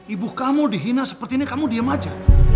ibu kamu dihina seperti ini kamu diem aja